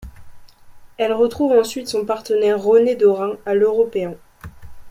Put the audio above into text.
Elle retrouve ensuite son partenaire René Dorin à l'Européen.